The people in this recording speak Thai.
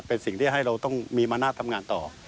เป็นสิ่งที่ให้เราต้องมีมนาศทำงานต่อ